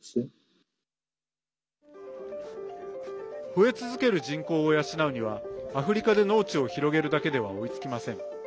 増え続ける人口を養うにはアフリカで農地を広げるだけでは追いつきません。